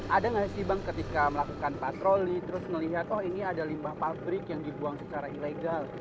ada nggak sih bang ketika melakukan patroli terus melihat oh ini ada limbah pabrik yang dibuang secara ilegal